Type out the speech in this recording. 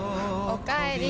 おかえり。